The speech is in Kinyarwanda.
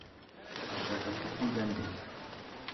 ushaka kuvuga nde